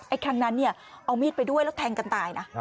ครั้งนั้นเนี่ยเอามีดไปด้วยแล้วแทงกันตายนะ